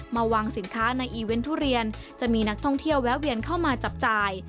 มาวางสินค้าในอีเวนต์ทุเรียนจะมีนักท่องเที่ยวแวะเวียนเข้ามาจับจ่าย